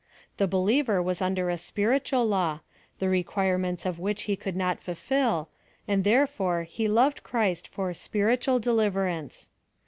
The believer was under a spiritual law, tlie require ments of which lie could not fulfil, and therefore lie 1*^2 PHILOSOPHY OF THE loved Christ for spiritual deliverance.